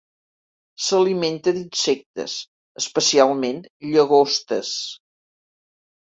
S'alimenta d'insectes, especialment llagostes.